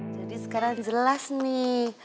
jadi sekarang jelas nih